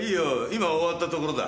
今終わったところだ。